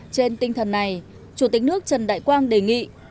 trên tinh thần này chủ tịch nước trần đại quang đề nghị